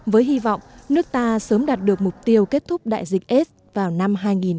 với hy vọng nước ta sớm đạt được mục tiêu kết thúc đại dịch s vào năm hai nghìn ba mươi